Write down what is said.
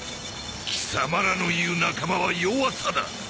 貴様らの言う仲間は弱さだ。